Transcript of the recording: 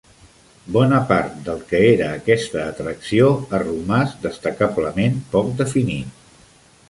Bona part del que era aquesta atracció ha romàs destacablement poc definit.